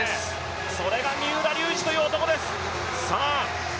それが三浦龍司という男です。